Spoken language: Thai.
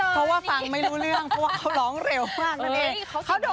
เพราะว่าฟังไม่รู้เรื่องเพราะว่าเขาร้องเร็วมากนั่นเอง